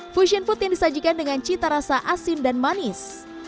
fusion food yang disajikan dengan cita rasa asin dan manis